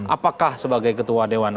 apakah sebagai ketua dewan